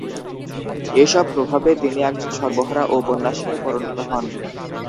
এসব প্রভাবে তিনি একজন সর্বহারা ঔপন্যাসিকে পরিণত হন।